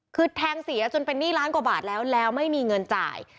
คือแทงเสียจนเป็นหนี้ล้านกว่าบาทแล้วแล้วไม่มีเงินจ่าย